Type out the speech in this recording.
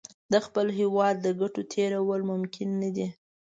د خپل هېواد له ګټو تېرول ممکن نه دي.